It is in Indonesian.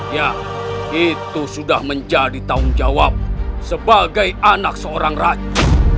ya itu sudah menjadi tanggung jawab sebagai anak seorang raja